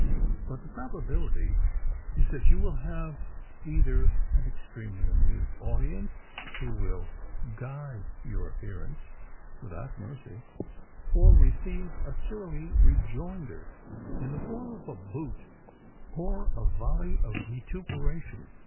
But the probability is that you will have either an extremely amused audience, who will "guy" your appearance without mercy, or receive a surly rejoinder in the form of a boot or a volley of vituperation.